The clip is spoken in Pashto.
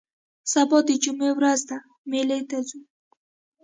سبا د جمعې ورځ ده مېلې ته ځو